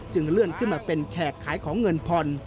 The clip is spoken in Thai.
เลื่อนขึ้นมาเป็นแขกขายของเงินผ่อน